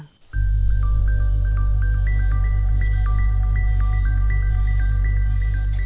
apa yang dilakukan budi mendampingkan desa wisata ini